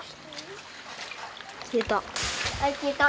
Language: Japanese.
・消えた。